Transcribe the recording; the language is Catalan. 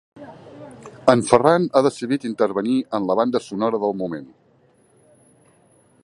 El Ferran ha decidit intervenir en la banda sonora del moment.